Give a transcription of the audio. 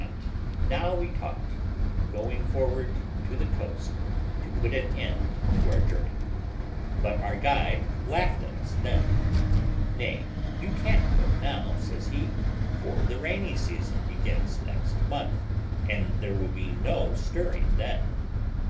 And now we talked of going forward to the coast to put an end to our journey; but our guide laughed at us then. "Nay, you can't go now," says he, "for the rainy season begins next month, and there will be no stirring then."